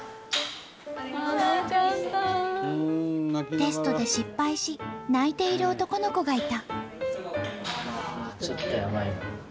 テストで失敗し泣いている男の子がいた。